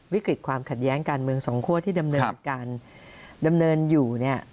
วิกฤตความขัดแย้งการเมืองสองคั่วที่ดำเนินการดำเนินอยู่เนี่ย